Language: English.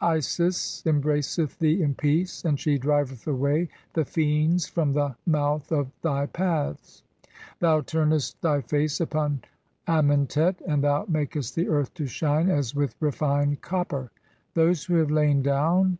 Isis embraceth thee in peace, and she driveth away "the fiends from the (4) mouth of thy paths. Thou turnest "thv face upon Amentet, and thou makest the earth to shine as "with refined copper. Those who have lain down